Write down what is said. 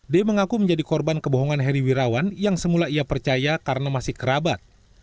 d mengaku menjadi korban kebohongan heri wirawan yang semula ia percaya karena masih kerabat